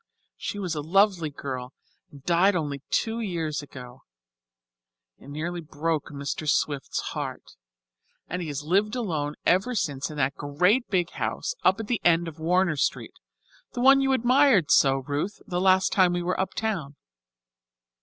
She was a lovely girl and died only two years ago. It nearly broke Mr. Swift's heart. And he has lived alone ever since in that great big house up at the head of Warner Street, the one you admired so, Ruth, the last time we were uptown.